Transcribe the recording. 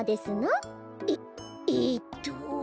えっえっと。